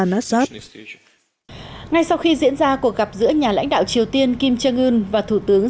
sot ngay sau khi diễn ra cuộc gặp giữa nhà lãnh đạo triều tiên kim jong un và thủ tướng